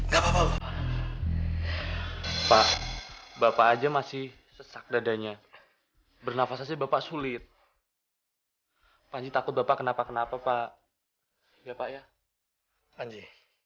gw dapat penglihatan itu lagi